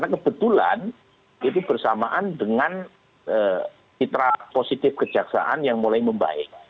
kebetulan itu bersamaan dengan citra positif kejaksaan yang mulai membaik